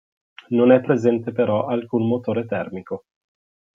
Non è presente però alcun motore termico.